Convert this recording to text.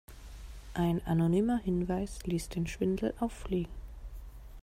Ein anonymer Hinweis ließ den Schwindel auffliegen.